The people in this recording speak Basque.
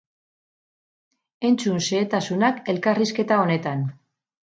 Entzun xehetasunak elkarrizketa honetan.